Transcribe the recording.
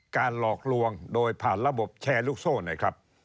หลอกลวงโดยผ่านระบบแชร์ลูกโซ่นะครับ